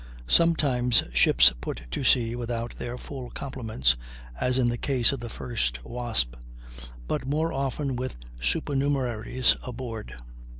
Sometimes ships put to sea without their full complements (as in the case of the first Wasp), but more often with supernumeraries aboard.